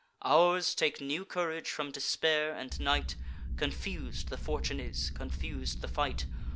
Ours take new courage from despair and night: Confus'd the fortune is, confus'd the fight.